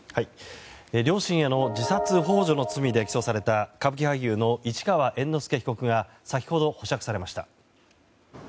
両親への自殺幇助の罪で起訴された歌舞伎俳優の市川猿之助被告が先程、保釈されました。